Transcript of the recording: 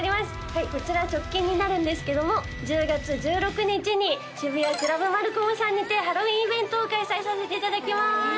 はいこちら直近になるんですけども１０月１６日に渋谷ＣｌｕｂＭａｌｃｏｌｍさんにてハロウィンイベントを開催させていただきます